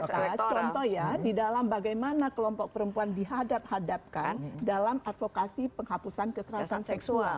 kita melihat bagaimana komoditas contoh ya di dalam bagaimana kelompok perempuan dihadap hadapkan dalam advokasi penghapusan kekerasan seksual